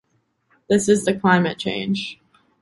This is the climate change.